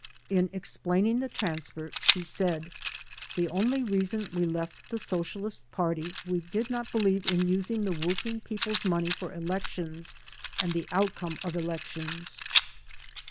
In explaining the transfer she said: ''The only reason we left the Socialist Party, we did not believe in using the working people's money for elections and the outcome of elections."